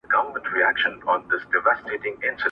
څخه سمبول ګرځي